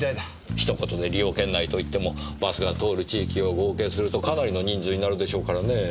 一言で利用圏内といってもバスが通る地域を合計するとかなりの人数になるでしょうからねぇ。